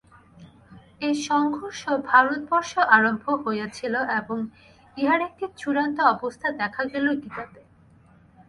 এই সংঘর্ষ ভারতবর্ষেও আরম্ভ হইয়াছিল এবং ইহার একটি চূড়ান্ত অবস্থা দেখা গেল গীতাতে।